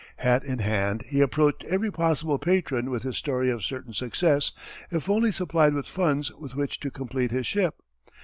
Hat in hand he approached every possible patron with his story of certain success if only supplied with funds with which to complete his ship.